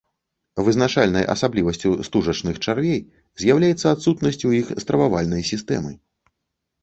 Вызначальнай асаблівасцю стужачных чарвей з'яўляецца адсутнасць у іх стрававальнай сістэмы.